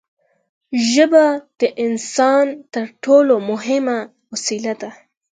ژبه د انسان تر ټولو مهمه وسیله ده.